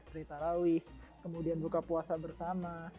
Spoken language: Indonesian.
cerita rawih kemudian buka puasa bersama